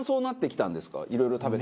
いろいろ食べた？